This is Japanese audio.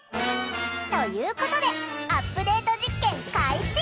ということでアップデート実験開始！